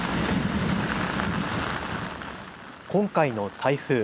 今回の台風。